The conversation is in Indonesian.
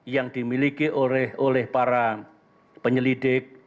yang dimiliki oleh para penyelidik